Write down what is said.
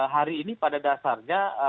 hari ini pada dasarnya